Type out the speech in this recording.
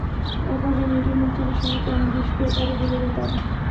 একপর্যায়ে মেয়েটির মুখ চেপে শিশিতে আনা বিষ তাতে ঢেলে দেয় তারা।